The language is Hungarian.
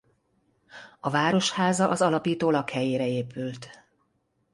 A városháza az alapító lakhelyére épült.